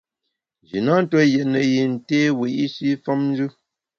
Nji na ntue yètne yin té wiyi’shi femnjù.